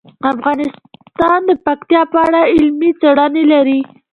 افغانستان د پکتیکا په اړه علمي څېړنې لري.